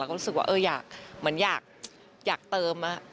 ก็รู้สึกว่าอยากเหมือนอยากเติม